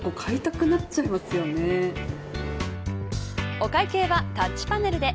お会計はタッチパネルで。